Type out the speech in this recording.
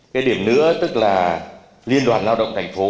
cái điểm nữa tức là liên đoàn lao động thành phố